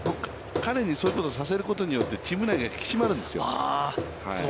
彼にそういうことさせることによってチーム内が引き締まるんですよ。